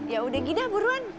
yaudah gida buruan